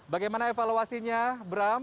bagaimana evaluasinya bram